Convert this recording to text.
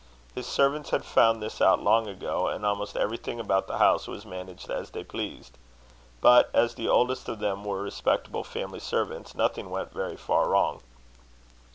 His servants had found this out long ago, and almost everything about the house was managed as they pleased; but as the oldest of them were respectable family servants, nothing went very far wrong.